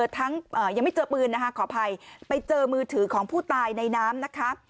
ยังไม่เจอปืนนะคะขออภัยไปเจอมือถือของผู้ตายในน้ำนะคะ